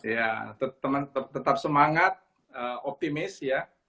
ya tetap semangat optimis ya